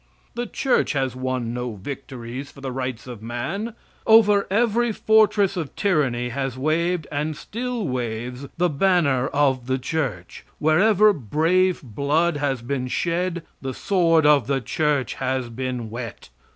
The church has won no victories for the rights of man. Over every fortress of tyranny has waved, and still waves, the banner of the church. Wherever brave blood has been shed the sword of the church has been wet.